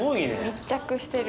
密着してる。